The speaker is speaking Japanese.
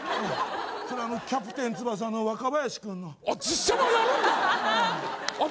これあの「キャプテン翼」の若林くんのあっ実写版やるんだあっ